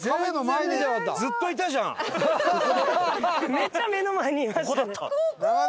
めっちゃ目の前にいましたね。